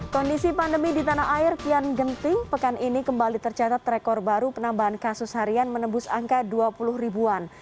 kondisi pandemi di tanah air kian genting pekan ini kembali tercatat rekor baru penambahan kasus harian menembus angka dua puluh ribuan